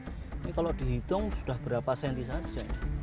ini kalau dihitung sudah berapa cm saja